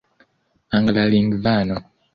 anglalingvano